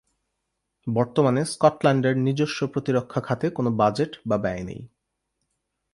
বর্তমানে স্কটল্যান্ডের নিজস্ব প্রতিরক্ষা খাতে কোনো বাজেট বা ব্যয় নেই।